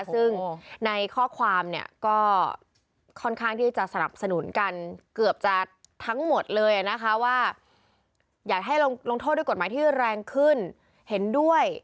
ซึ่งในข้อความเนี่ยก็ค่อนข้างที่จะสนับสนุนกันเกือบจะทั้งหมดเลยนะคะว่าอยากให้ลงโทษด้วยกฎหมายที่แรงขึ้นเห็นด้วย